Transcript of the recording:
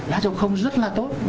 lá châu không rất là tốt